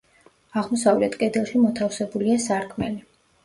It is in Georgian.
აღმოსავლეთ კედელში მოთავსებულია სარკმელი.